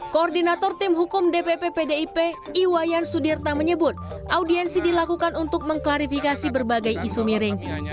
koordinator tim hukum dpp pdip iwayan sudirta menyebut audiensi dilakukan untuk mengklarifikasi berbagai isu miring